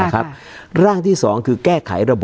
การแสดงความคิดเห็น